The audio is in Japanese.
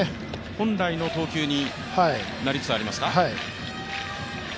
本来の投球になりつつありますか。